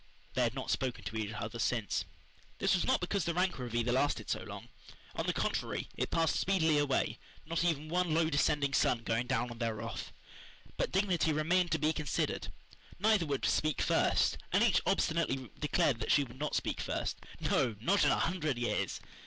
They had not spoken to each other since. This was not because the rancour of either lasted so long. On the contrary it passed speedily away, not even one low descending sun going down on their wrath. But dignity remained to be considered. Neither would "speak first," and each obstinately declared that she would not speak first, no, not in a hundred years.